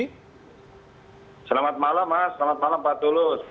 selamat malam mas selamat malam pak tulus